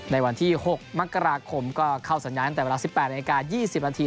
ในวันที่๖มกราคมก็เข้าสัญญาณตั้งแต่เวลา๑๘นาที๒๐นาที